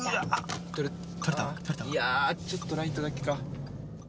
いやちょっとライトだけか。